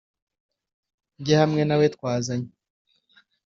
njye hamwe na we twazanye